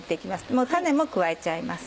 もう種も加えちゃいます。